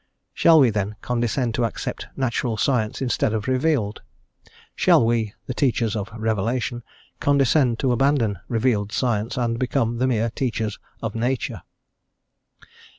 Shall we, then, condescend to accept natural science instead of revealed; shall we, the teachers of revelation, condescend to abandon revealed science, and become the mere teachers of nature?